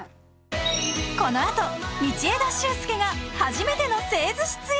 このあと道枝駿佑が初めての製図室へ